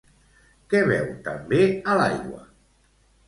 Què veu també a l'aigua?